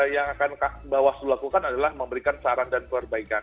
yang akan bawah selulakukan adalah memberikan saran dan perbaikan